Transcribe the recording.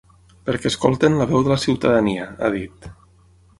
“Perquè escoltin la veu de la ciutadania”, ha dit.